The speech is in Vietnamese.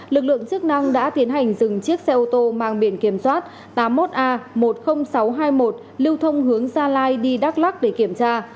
lực lượng chức năng đã tiến hành dừng chiếc xe ô tô mang biển kiểm soát tám mươi một a một mươi nghìn sáu trăm hai mươi một lưu thông hướng gia lai đi đắk lắc để kiểm tra